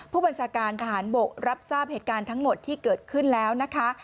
ผู้บัญชาการทหารบกรับทราบเหตุการณ์ทั้งหมดที่เกิดขึ้นแล้วนะคะ